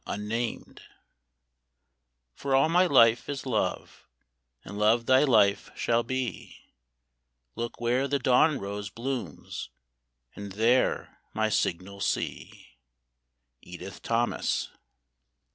] For all my life is love, And love thy life shall be ; Look where the dawn rose blooms, And there my signal see. Edith Thomas.